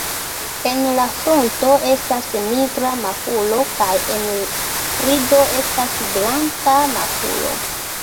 En la frunto estas nigra makulo kaj en brido estas blanka makulo.